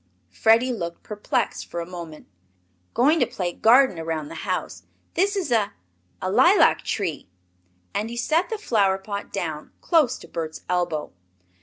Freddie looked perplexed for a moment. "Going to play garden around the house. This is a a lilac tree!" And he set the flower pot down close to Bert's elbow.